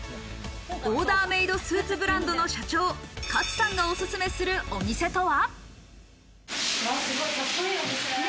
オーダーメードスーツブランドの社長・勝さんがおすすめするお店とは？